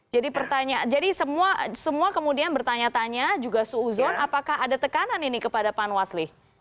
jadi pertanyaan jadi semua kemudian bertanya tanya juga suhuzon apakah ada tekanan ini kepada pan waslih